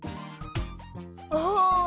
お！